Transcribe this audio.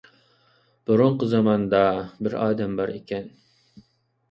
بۇرۇنقى زاماندا بىر ئادەم بار ئىكەن.